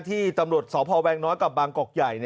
ที่ตำรวจสพแวงน้อยกับบางกอกใหญ่